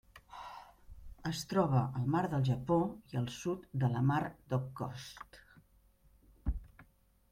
Es troba al Mar del Japó i el sud de la Mar d'Okhotsk.